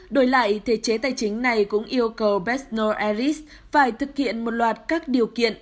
đổi lại thể chế tài chính này cũng yêu cầu bessner eris phải thực hiện một loạt các điều kiện